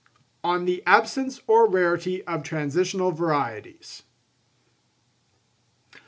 _On the Absence or Rarity of Transitional Varieties.